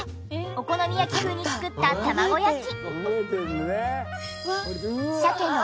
お好み焼き風に作った玉子焼き。